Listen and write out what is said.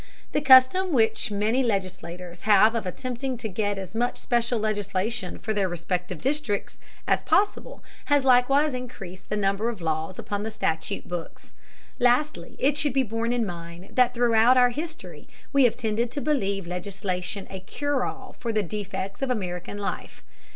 The custom which many legislators have of attempting to get as much special legislation for their respective districts as possible has likewise increased the number of laws upon the statute books. Lastly, it should be borne in mind that throughout our history we have tended to believe legislation a cure all for the defects of American life.